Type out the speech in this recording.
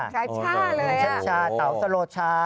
ชาช่าเลยอ่ะหญิงชัดชาเตาสะโรชชา